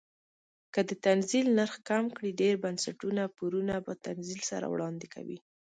که د تنزیل نرخ کم کړي ډیر بنسټونه پورونه په تنزیل سره وړاندې کوي.